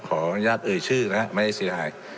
ขออนุญาตเอ่ยชื่อนะไม่ได้เสียหาย